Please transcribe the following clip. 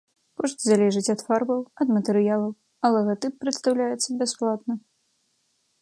Кошт залежыць ад фарбаў, ад матэрыялаў, а лагатып прадастаўляецца бясплатна.